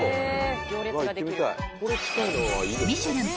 ［『ミシュラン』